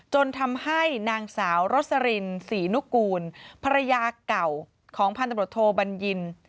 จนทำให้นางสาวรสรินศรีนุกูลภรรยาเก่าของพันธบทโทบัญญิน